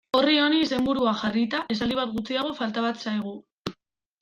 Orri honi izenburua jarrita, esaldi bat gutxiago falta zaigu.